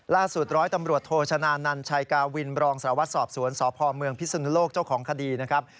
ล่าสุดร้อยตำรวจโทชนานนันชัยกาวินบรองสลวัสดิ์สอบสวนสพพิศึงโลกเจ้าของคดีนะครับ